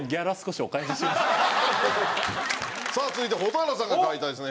さあ続いては蛍原さんが描いたですね